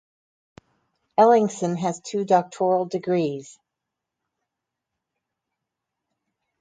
Ellingsen has two doctoral degrees.